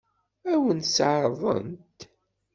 Ad wen-tt-ɛeṛḍent?